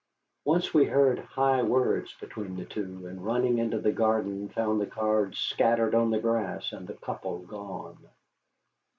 Once we heard high words between the two, and running into the garden found the cards scattered on the grass, and the couple gone.